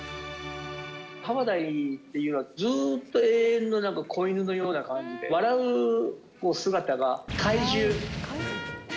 ハファダイというのは、ずっと永遠の子犬のような感じで、笑う姿が怪獣。